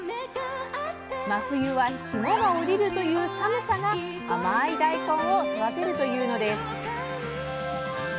真冬は霜が降りるという寒さが甘い大根を育てるというのです。